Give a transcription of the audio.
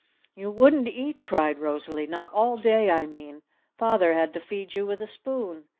"You wouldn't eat!" cried Rosalee. "Not all day, I mean! Father had to feed you with a spoon!